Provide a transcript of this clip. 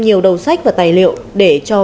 nhiều đầu sách và tài liệu để cho